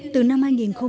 từ năm hai nghìn năm